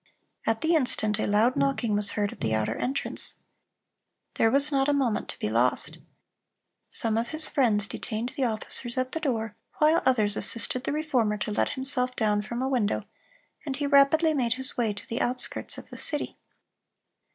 At the instant a loud knocking was heard at the outer entrance. There was not a moment to be lost. Some of his friends detained the officers at the door, while others assisted the Reformer to let himself down from a window, and he rapidly made his way to the outskirts of the city.